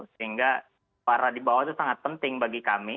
sehingga para di bawah itu sangat penting bagi kami